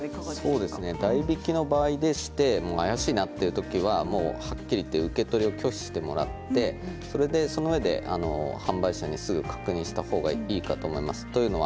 代引きの場合でして怪しいなという場合ははっきりと受け取り拒否をしていただいてそのあとで販売者にすぐに確認した方がいいと思います。